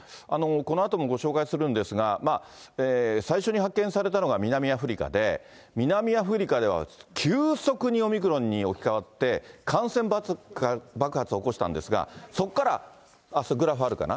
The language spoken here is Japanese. このあともご紹介するんですが、最初に発見されたのが南アフリカで、南アフリカでは急速にオミクロンに置きかわって、感染爆発を起こしたんですが、そこから、グラフあるかな。